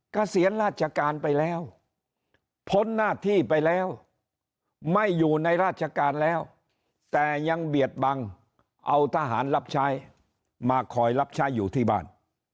เกษียณราชการไปแล้วพ้นหน้าที่ไปแล้วไม่อยู่ในราชการแล้วแต่ยังเบียดบังเอาทหารรับใช้มาคอยรับใช้อยู่ที่บ้าน